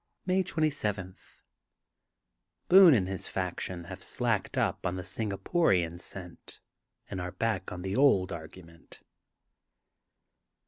May 27: — ^Boone and his faction have slacked up on the Singaporian scent and are back on the old argument.